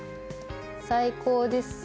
最高です。